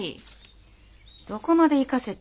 どこまで行かせたんや？